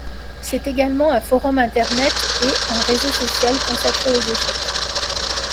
C'est également un forum internet et un réseau social consacré aux échecs.